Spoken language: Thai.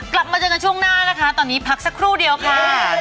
กลับมาเจอกันช่วงหน้านะคะตอนนี้พักสักครู่เดียวค่ะ